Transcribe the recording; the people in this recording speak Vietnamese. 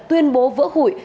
tuyên bố vỡ hủy